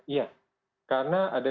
iya karena ada